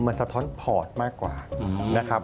มันสะท้อนพอร์ตมากกว่านะครับ